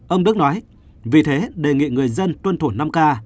ông đức nói vì thế đề nghị người dân tuân thủ năm k